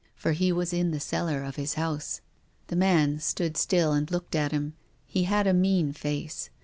For he was in the cellar of his house. The man stood still and looked at him. He had a mean face.